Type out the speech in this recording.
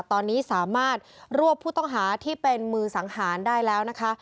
ตอนนี้สามารถรวบผู้ต้องหาที่เป็นมือสังหารได้แล้วนะคะ